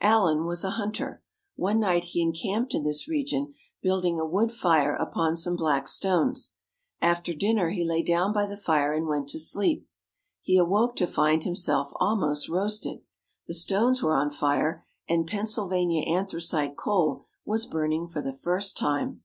Allen was a hunter. One night he encamped in this region, building a wood fire upon some black stones. After dinner he lay down by the fire and went to sleep. He awoke to find himself almost roasted. The stones were on fire, and Pennsylvania anthracite coal was burning for the first time.